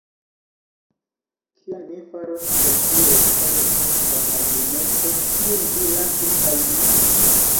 Kion mi faros el tiu restaĵo da maljuneco, kiun vi lasis al mi?